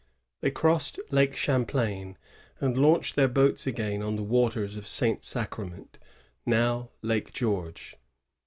They crossed Lake Champlain, and launched their boats again on the waters of St Sacrament, now Lake Geoige.